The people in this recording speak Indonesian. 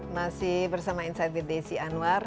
masih bersama inside with desy anwar